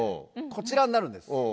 こちらになるんです。